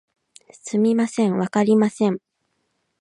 すみません、わかりません